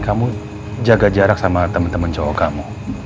kamu jaga jarak sama temen temen cowok kamu